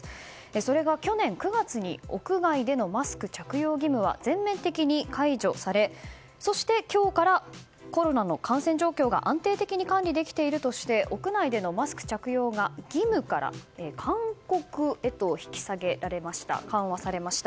それが去年９月に屋外でのマスク着用義務は全面的に解除されそして、今日からコロナの感染状況が安定的に管理できているとして屋内でのマスク着用が義務から勧告へと緩和されました。